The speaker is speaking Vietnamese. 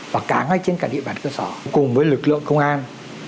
và cả ngay trên cả địa bàn cơ sở cùng với lực lượng công an